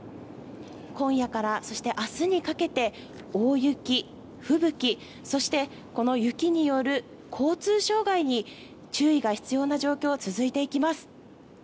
今夜から明日にかけて大雪、吹雪そして、この雪による交通障害に注意が必要な状況が続いていきます。